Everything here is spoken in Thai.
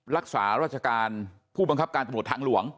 รักษาราชการผู้บังคับการตำรวจทางหลวง